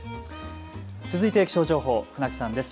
続いて気象情報、船木さんです。